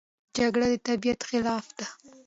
جګړه د طبیعت خلاف ده